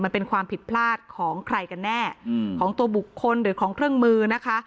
มันเป็นความผิดพลาดของใครกันแน่ของตัวบุคคลหรือของเครื่องมือนะคะ